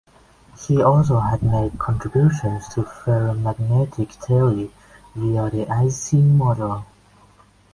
He also had made contributions to ferromagnetic theory via the Ising model.